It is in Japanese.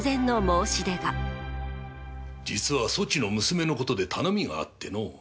実はそちの娘のことで頼みがあってのう。